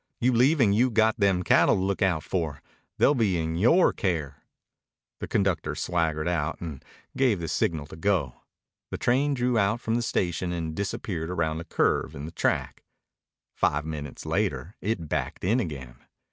"You leave an' you've got them cattle to look out for. They'll be in yore care." The conductor swaggered out and gave the signal to go. The train drew out from the station and disappeared around a curve in the track. Five minutes later it backed in again.